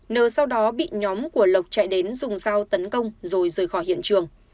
nờ sau đó bị nhóm của lộc chạy đến dùng dao tấn công rồi rời khỏi hiện trường